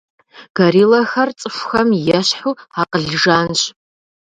Гориллэхэр цӏыхухэм ещхьу акъыл жанщ.